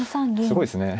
すごいですね。